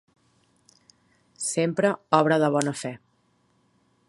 Sempre obra de bona fe.